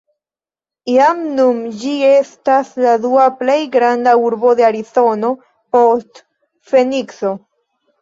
Jam nun ĝi estas la dua plej granda urbo de Arizono, post Fenikso.